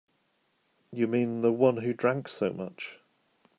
You mean the one who drank so much?